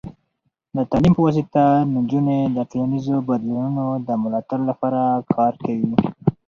د تعلیم په واسطه، نجونې د ټولنیزو بدلونونو د ملاتړ لپاره کار کوي.